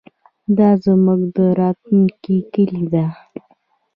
دا زموږ د راتلونکي کلي ده.